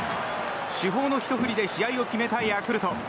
主砲のひと振りで試合を決めたヤクルト。